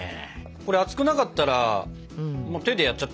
これ熱くなかったら手でやっちゃっていいのかな？